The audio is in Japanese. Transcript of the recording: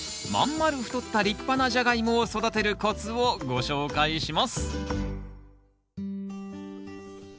真ん丸太った立派なジャガイモを育てるコツをご紹介します